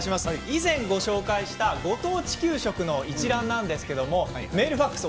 以前ご紹介したご当地給食の一覧なんですけれどメール、ファックス